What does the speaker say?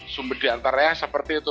sumber diantaranya seperti itu